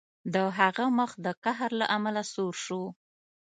د هغه مخ د قهر له امله سور شو